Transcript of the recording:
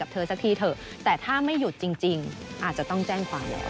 เธอสักทีเถอะแต่ถ้าไม่หยุดจริงอาจจะต้องแจ้งความแล้ว